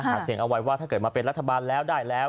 เสียงเอาไว้ว่าถ้าเกิดมาเป็นรัฐบาลแล้วได้แล้ว